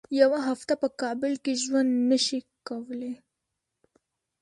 یوه هفته په کابل کې ژوند نه شي کولای.